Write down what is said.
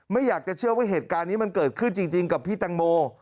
ไม่อยากจะเชื่อว่าเหตุการณ์นี้มันเกิดขึ้นจริงกับพี่แตงโม